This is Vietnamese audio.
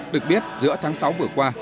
được biết giữa tháng sáu vừa qua